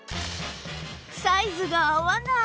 サイズが合わない